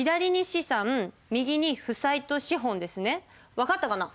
分かったかな？